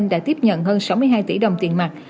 đã tiếp nhận hơn sáu mươi hai tỷ đồng tiền mặt